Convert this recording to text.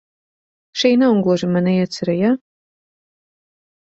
Šī nav gluži mana iecere, ja?